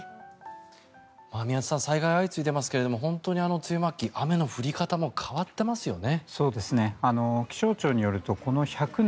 災害が相次いでいますが本当に梅雨末期、雨の降り方も変わっていますよね。